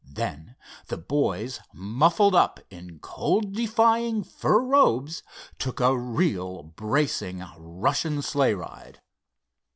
Then the boys, muffled up in cold defying fur robes, took a real bracing Russian sleigh ride.